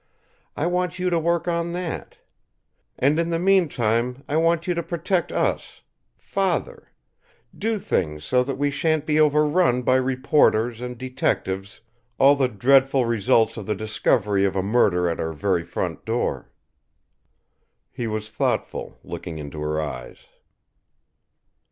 I want you to work on that. And, in the meantime, I want you to protect us father do things so that we shan't be overrun by reporters and detectives, all the dreadful results of the discovery of a murder at our very front door." He was thoughtful, looking into her eyes.